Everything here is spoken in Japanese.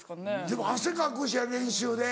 でも汗かくし練習で。